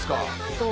そう。